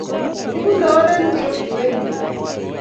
Ipune oret ingoro iwendi kaa?